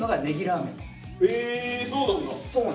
そうなんだ。